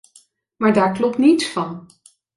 Maar daar klopt niets van.